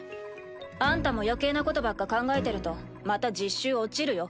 あんたも余計なことばっか考えてるとまた実習落ちるよ。